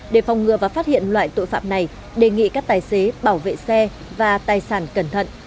để phòng ngừa và phát hiện loại tội phạm này đề nghị các tài xế bảo vệ xe và tài sản cẩn thận